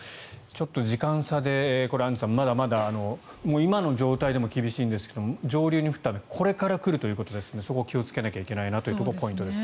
ちょっと時間差でアンジュさん、まだまだ今の状態でも厳しいんですが上流で降った雨がこれから来るということですのでそこを気をつけなければいけないなというのがポイントですね。